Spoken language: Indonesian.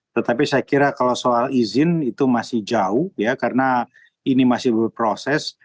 tetapi saya kira kalau soal izin itu masih jauh ya karena ini masih berproses